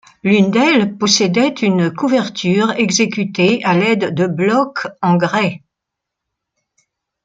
L'une d'elles possédait une couverture exécutée à l'aide de blocs en grès.